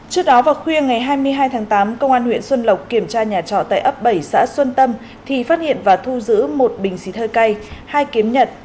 trước đó vào khuya ngày hai mươi hai tháng tám công an huyện xuân lộc kiểm tra nhà trọ tại ấp bảy xã xuân tâm thì phát hiện và thu giữ một bình xịt hơi cay hai kiếm nhật